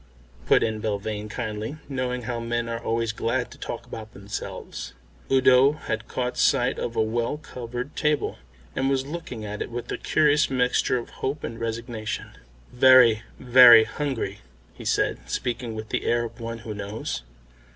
put in Belvane kindly, knowing how men are always glad to talk about themselves. Udo had caught sight of a well covered table, and was looking at it with a curious mixture of hope and resignation. "Very, very hungry," he said, speaking with the air of one who knows.